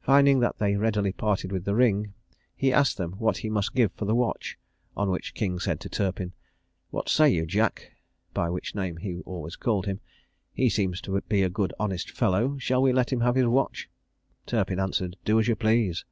Finding that they readily parted with the ring, he asked them what he must give for the watch: on which King said to Turpin, "What say you, Jack (by which name he always called him), he seems to be a good honest fellow; shall we let him have the watch?" Turpin answered, "Do as you please."